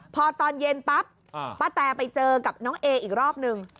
พอตอนเย็นปั๊บป้าแตไปเจอกับน้องเออีกรอบนึง